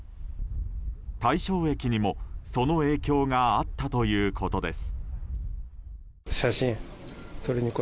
大正駅にも、その影響があったということです。